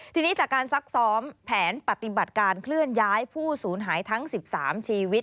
ทีนี้จากการซักซ้อมแผนปฏิบัติการเคลื่อนย้ายผู้สูญหายทั้ง๑๓ชีวิต